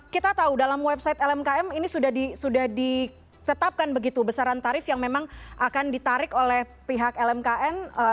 kita tahu dalam website lmkm ini sudah ditetapkan begitu besaran tarif yang memang akan ditarik oleh pihak lmkn